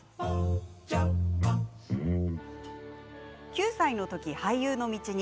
９歳の時、俳優の道に。